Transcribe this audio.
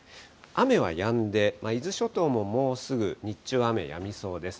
雨はやんで、伊豆諸島ももうすぐ日中、雨、やみそうです。